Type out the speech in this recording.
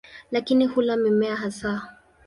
Lakini hula mimea hasa.